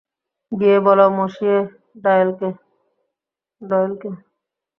গিয়ে বলো মসিয়ে ডয়েলকে!